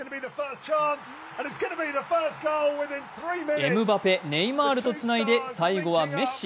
エムバペ、ネイマールとつないで最後はメッシ。